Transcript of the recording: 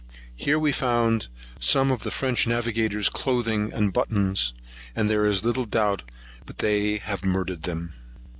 Here we found some of the French navigator's cloathing and buttons; and there is little doubt but they have murdered them.